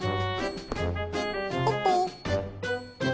ポッポー。